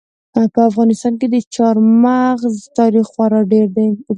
په افغانستان کې د چار مغز تاریخ خورا ډېر اوږد دی.